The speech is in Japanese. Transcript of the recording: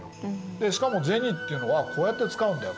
で「しかも銭っていうのはこうやって使うんだよ。